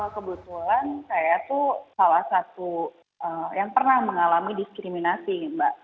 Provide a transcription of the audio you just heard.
kebetulan saya tuh salah satu yang pernah mengalami diskriminasi mbak